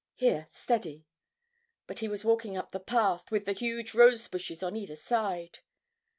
Here, steady. But he was walking up the path, with the huge rose bushes on either side.